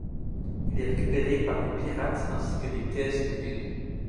Il est récupéré par des pirates ainsi que des caisses de l'ile.